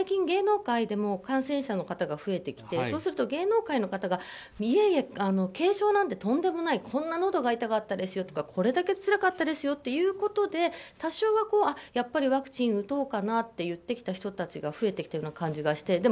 ただ最近、芸能界でも感染者の方が増えてきてそうすると芸能界の方が軽症なんてとんでもないこんなにのどが痛かったですよとか辛かったですよということで多少はやっぱりワクチン打とうかなって言う人たちが増えてきた気がして。